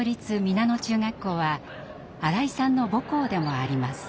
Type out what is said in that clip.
皆野中学校は新井さんの母校でもあります。